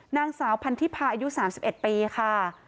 นางสาวพันธิพาอายุ๓๑ปีค่ะ